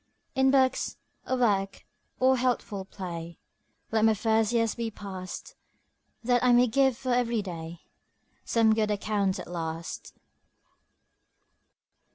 In books, or work, or healthful play, Let my first years be passed, That I may give for every day Some good account at last.